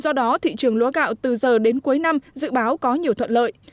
do đó thị trường lúa gạo từ giờ đến cuối năm dự báo có nhiều thuận lợi